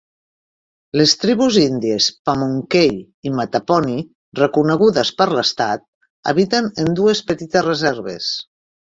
Les tribus índies Pamunkey i Mattaponi, reconegudes per l'estat, habiten en dues petites reserves.